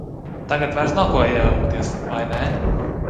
Tagad vairs nav ko iejaukties, vai ne?